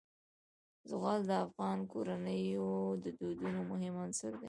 زغال د افغان کورنیو د دودونو مهم عنصر دی.